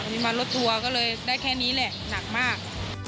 มีมารถทัวร์ก็เลยได้แค่นี้แหละหนักมาก